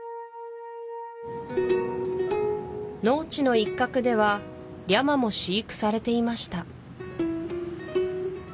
農地の一画ではリャマも飼育されていました